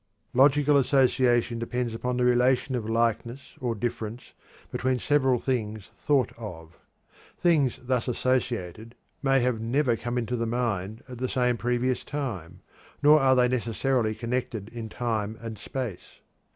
Logical association depends upon the relation of likeness or difference between several things thought of. Things thus associated may have never come into the mind at the same previous time, nor are they necessarily connected in time and space.